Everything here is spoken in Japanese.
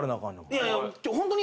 いやいやホントに。